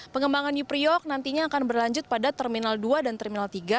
pengembangan new priok nantinya akan berlanjut pada terminal dua dan terminal tiga